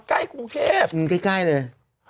ใกล้กรุงเทพใกล้เลย